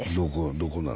どこなの？